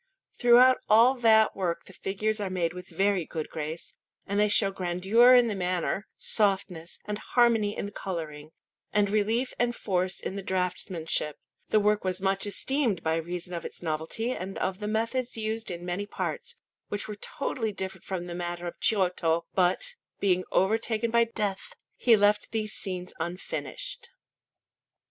Throughout all that work the figures are made with very good grace, and they show grandeur in the manner, softness and harmony in the colouring, and relief and force in the draughtsmanship; the work was much esteemed by reason of its novelty and of the methods used in many parts, which were totally different from the manner of Giotto; but, being overtaken by death, he left these scenes unfinished.